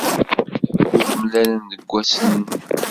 Ur mlalen deg wass-n.